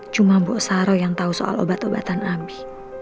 cuma mbok saro yang tahu soal obat obatan abi